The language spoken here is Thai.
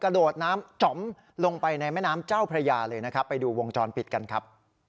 โดดน้ำจ๋อมลงไปในแม่น้ำเจ้าพระยาเลยนะครับไปดูวงจรปิดกันครับ